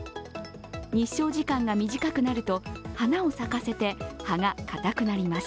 日照時間が短くなると花を咲かせて葉が硬くなります。